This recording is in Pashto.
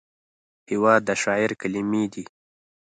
هېواد د شاعر کلمې دي.